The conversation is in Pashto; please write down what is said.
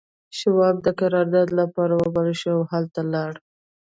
شواب د قرارداد لپاره وبلل شو او هلته لاړ